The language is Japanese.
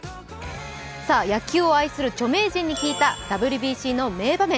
野球を愛する著名人に聞いたＷＢＣの名場面。